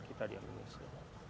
kita di amunisi